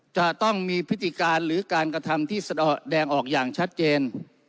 จะต้องมีพฤติการหรือการกระทำที่แสดงออกอย่างชัดเจน